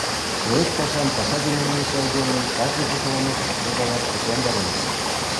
Поэт пашам, паша дене илыше айдемым кажне почеламутыштыжо гаяк чапландарен.